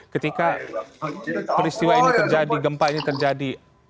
ketika peristiwa ini terjadi gempa ini terjadi